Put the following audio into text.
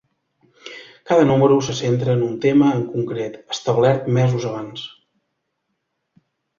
Cada número se centra en un tema en concret, establert mesos abans.